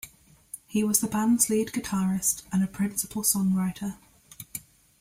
He was the band's lead guitarist and a principal songwriter.